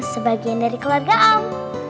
sebagian dari keluarga om